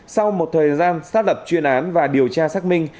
sau một thời gian xác lập chuyên án và điều tra xác minh